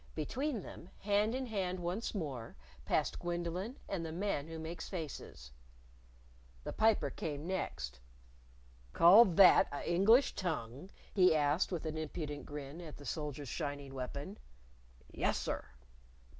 Between them, hand in hand once more, passed Gwendolyn and the Man Who Makes Faces. The Piper came next. "Call that a' English tongue?" he asked, with an impudent grin at the soldier's shining weapon. "Yes, sir."